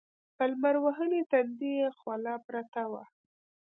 په لمر وهلي تندي يې خوله پرته وه.